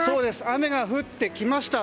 雨が降ってきました。